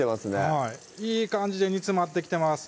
はいいい感じで煮詰まってきてます